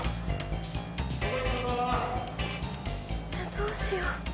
どうしよう？